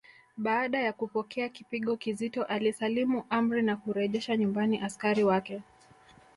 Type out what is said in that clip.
Baada ya kupokea kipigo kizito alisalimu amri na kurejesha nyumbani askari wake